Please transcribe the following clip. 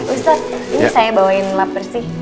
ustadz ini saya bawain lap bersih